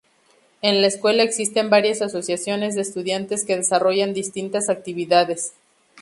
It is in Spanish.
En la Escuela existen varias asociaciones de estudiantes que desarrollan distintas actividades.